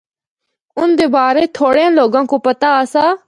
ان دے بارے تھوڑیاں لوگاں کو پتہ آسا۔